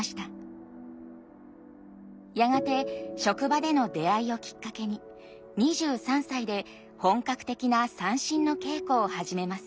やがて職場での出会いをきっかけに２３歳で本格的な三線の稽古を始めます。